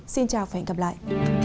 xin chào và hẹn gặp lại